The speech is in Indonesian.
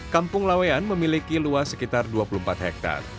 kampung lawean memiliki luas sekitar dua puluh empat hektare